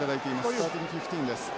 スターティングフィフティーンです。